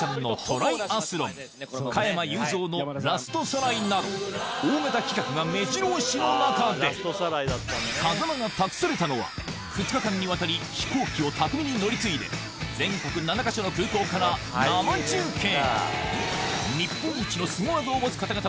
そうなど大型企画がめじろ押しの中で風間が託されたのは２日間にわたり飛行機を巧みに乗り継いで全国７か所の空港から生中継！